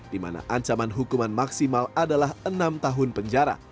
di mana ancaman hukuman maksimal adalah enam tahun penjara